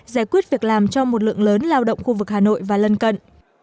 giải quyết việc làm cho một lượng lớn lao động khu vực hà nội và lân cận